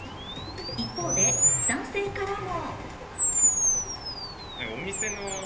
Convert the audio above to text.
一方で男性からも。